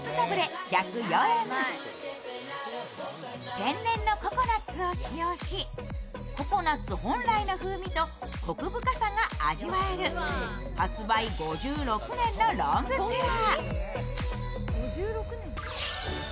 天然のココナッツを使用し、ココナッツ本来の風味とこく深さが味わえる、発売５６年のロングセラー。